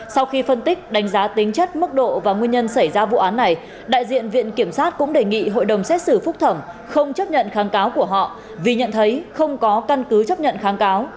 sau khi phân tích đánh giá tính chất mức độ và nguyên nhân xảy ra vụ án này đại diện viện kiểm sát cũng đề nghị hội đồng xét xử phúc thẩm không chấp nhận kháng cáo của họ vì nhận thấy không có căn cứ chấp nhận kháng cáo